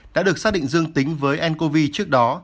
đã được xác định dương tính với ncov trước đó